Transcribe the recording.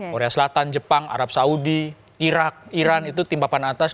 korea selatan jepang arab saudi irak iran itu tim papan atas